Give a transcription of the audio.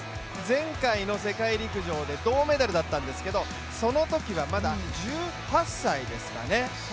前回の世界陸上で銅メダルだったんですけど、そのときはまだ１８歳ですかね。